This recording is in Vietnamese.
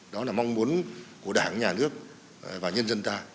đó là mong muốn của đảng nhà nước và nhân dân ta